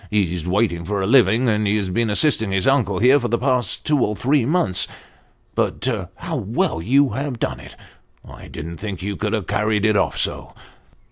He's wait ing for a living, and has been assisting his uncle here for the last two or three months. But how well you have done it I didn't think you could have carried it off so